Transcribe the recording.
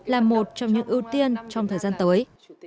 là một trong những ưu tiên trong thời gian tới